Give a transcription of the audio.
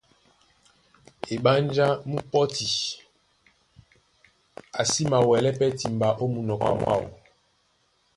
Eɓánjá mú pɔ́ti, a sí mawɛlɛ́ pɛ́ timba ó munɔkɔ mwáō,